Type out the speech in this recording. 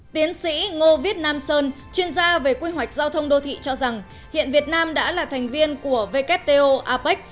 tiến sĩ ngô viết nam sơn chuyên gia về quy hoạch giao thông đô thị cho rằng hiện việt nam đã là thành viên của wto apec